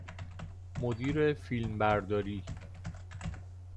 مدیر فیلمبرداری